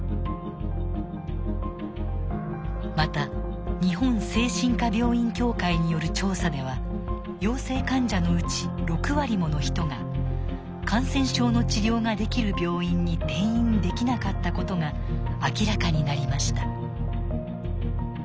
また日本精神科病院協会による調査では陽性患者のうち６割もの人が感染症の治療ができる病院に転院できなかったことが明らかになりました。